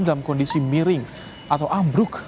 dalam kondisi miring atau ambruk